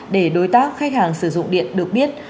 để đối tác khách hàng sử dụng điện được biết